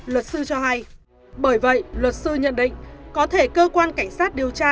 luật sư cho hay bởi vậy luật sư nhận định có thể cơ quan cảnh sát điều tra